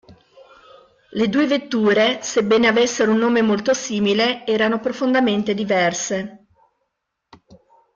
Le due vetture, sebbene avessero un nome molto simile, erano profondamente diverse.